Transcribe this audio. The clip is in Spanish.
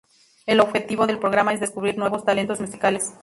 El objetivo del programa es descubrir nuevos talentos musicales.